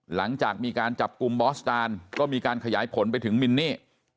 หลังจากมีการจับกลุ่มบอสตานก็มีการขยายผลไปถึงมินนี่